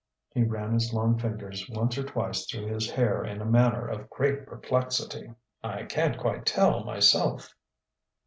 He ran his long fingers once or twice through his hair in a manner of great perplexity. "I can't quite tell, myself."